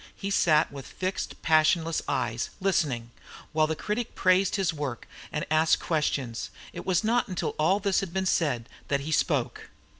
He sat with fixed passionless eyes, listening, while the critic praised his work and asked questions. It was not until all this had been said that he spoke.